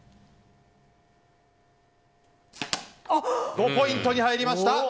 ５ポイントに入りました。